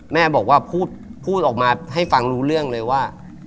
แม่บอกว่าพูดออกมาให้ฟังรู้เรื่องเลยว่า